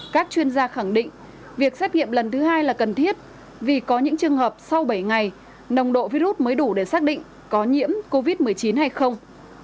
các chuyên gia khẳng định việc xét nghiệm lần thứ hai là cần thiết vì có những trường hợp sau bảy ngày nồng độ virus mới đủ để xác định có nhiễm covid một mươi chín hay không